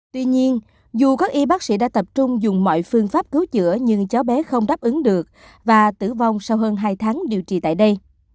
tuy nhiên dù các y bác sĩ đã tập trung dùng mọi phương pháp cứu chữa nhưng cháu bé không đáp ứng được và tử vong sau hơn hai tháng điều trị tại đây